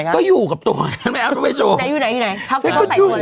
ก็อยู่กับตัวฉันไม่เอาเขาไปโชว์